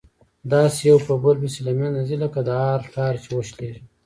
داسي يو په بل پسي له منځه ځي لكه د هار تار چي وشلېږي